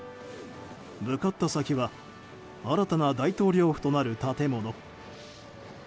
向かった先は新たな大統領府となる建物。